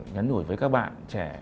nhấn đuổi với các bạn trẻ